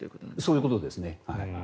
そういうことですね。